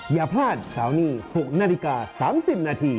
อย่าพลาดเสาร์นี้๖นาฬิกา๓๐นาที